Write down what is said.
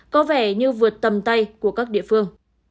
có vẻ như vượt tầm tay của các địa phương